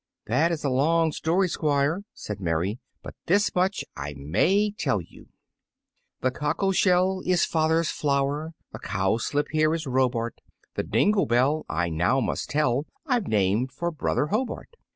"That is a long story, Squire," said Mary; "but this much I may tell you, "The cockle shell is father's flower, The cowslip here is Robart, The dingle bell, I now must tell, I've named for Brother Hobart.